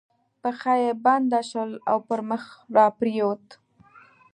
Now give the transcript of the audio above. پښه یې بنده شول او پر مخ را پرېوت.